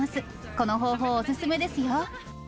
この方法、お勧めですよ。